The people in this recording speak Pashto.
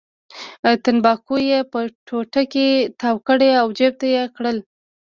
تنباکو یې په ټوټه کې تاو کړل او جېب ته یې کړل.